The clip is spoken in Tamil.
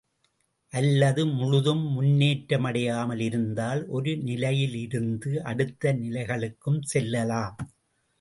அல்லது முழுதும் முன்னேற்றமடையாமல் இருந்தால் ஒரு நிலையிலிருந்து அடுத்த நிலைகளுக்கும் செல்லலாம்.